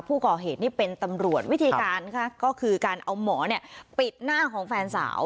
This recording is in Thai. ผู้ก่อเหตุนี่เป็นตำรวจวิธีการค่ะก็คือการเอาหมอเนี่ยปิดหน้าของแฟนสาว